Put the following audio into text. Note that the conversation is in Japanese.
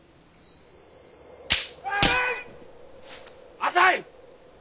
浅い！